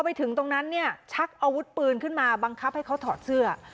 ไปถึงตรงนั้นเนี่ยชักอาวุธปืนขึ้นมาบังคับให้เขาถอดเสื้อ